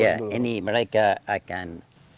ya ini mereka akan